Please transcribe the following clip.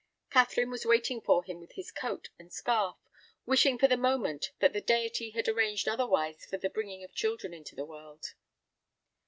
Catherine was waiting for him with his coat and scarf, wishing for the moment that the Deity had arranged otherwise for the bringing of children into the world.